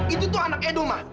itu tuh anak edo ma